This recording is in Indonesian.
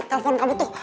telepon kamu tuh